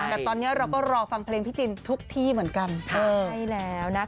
แต่ตอนนี้เราก็รอฟังเพลงพี่จินทุกที่เหมือนกันใช่แล้วนะคะ